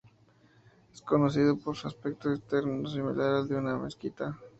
Es conocido por su aspecto externo, similar al de una mezquita.